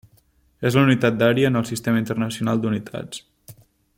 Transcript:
És la unitat d'àrea en el Sistema Internacional d'Unitats.